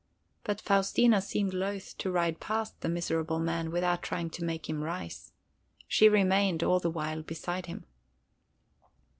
But Faustina seemed loath to ride past the miserable man without trying to make him rise. She remained all the while beside him.